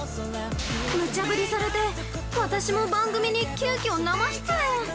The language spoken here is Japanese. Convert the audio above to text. ◆むちゃ振りされて私も番組に急きょ生出演。